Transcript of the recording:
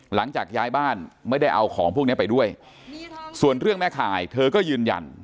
หลังจากย้ายบ้านไม่ได้เอาของพวกนี้ไปด้วยส่วนเรื่องแม่ข่ายเธอก็ยืนยัน